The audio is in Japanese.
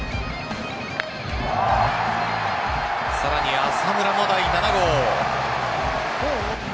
さらに浅村も第７号。